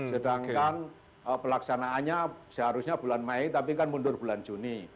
sedangkan pelaksanaannya seharusnya bulan mei tapi kan mundur bulan juni